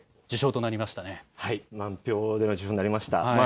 満票での受賞となりましたね。